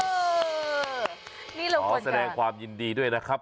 นี่เราก่อนกันนะครับอ๋อแสดงความยินดีด้วยนะครับ